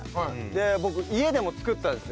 僕家でも作ったんですよ。